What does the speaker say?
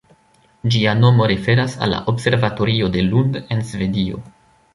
Ĝia nomo referas al la Observatorio de Lund en Svedio.